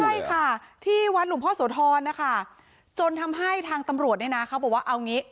ใช่ค่ะที่วัดหลวงพ่อโสธรนะคะจนทำให้ทางตำรวจเนี่ยนะเขาบอกว่าเอางี้